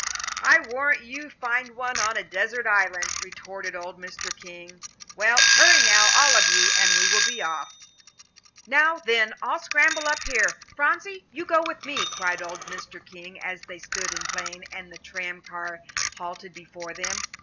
"I warrant you would find one on a desert island," retorted old Mr. King. "Well, hurry now, all of you and we will be off." "Now, then, all scramble up here. Phronsie, you go with me," cried old Mr. King, as they stood in plein, and the tram car halted before them.